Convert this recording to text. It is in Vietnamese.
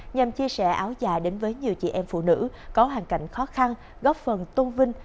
nhằm chia sẻ áo dài đến với nhiều chị em phụ nữ có hoàn cảnh khó khăn góp phần tôn vinh